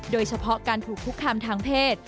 โดยเฉพาะการถูกคุกคามทางเพศ